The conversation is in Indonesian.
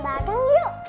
sarapan baru yuk